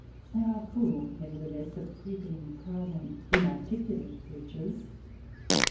They are full, nevertheless, of creeping, prowling, inarticulate creatures.